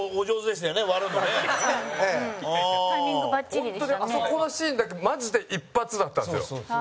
本当にあそこのシーンだけマジで一発だったんですよ。